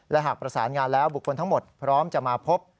และหากประสานงานแล้วบุคคลทั้งหมดพร้อมจะมาพบ